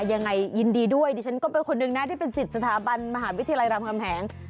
ยินดีด้วยดิฉันก็เป็นคนหนึ่งนะที่เป็นสิทธิ์สถาบันมหาวิทยาลัยรามคำแหง